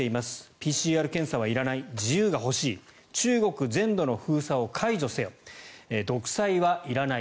ＰＣＲ検査はいらない自由が欲しい中国全土の封鎖を解除せよ独裁はいらない